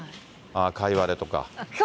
カイワレとか。